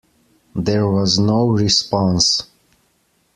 There was no response.